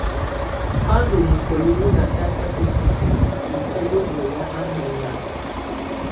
Ba ndù mukoli wu natakatɔ sinǝ ikuili u ya a ndù naà.